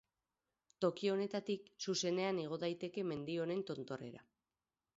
Toki honetatik zuzenean igo daiteke mendi honen tontorrera.